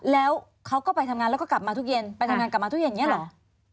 แล้วเขาก็ไปทำงานแล้วก็กลับมาทุกเย็นไปทำงานกลับมาทุกเย็นอย่างนี้เหรอ